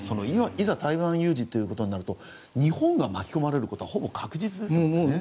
いざ台湾有事となると日本が巻き込まれることはほぼ確実ですよね。